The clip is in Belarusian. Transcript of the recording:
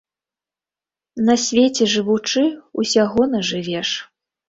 На свеце жывучы, усяго нажывеш.